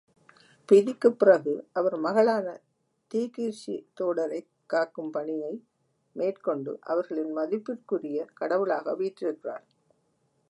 பிதிக்குப் பிறகு அவர் மகளான தீகிர்சி தோடரைக் காக்கும் பணியை மேற்கொண்டு, அவர்களின் மதிப்பிற்குரிய கடவுளாக வீற்றிருக்கிறாள்.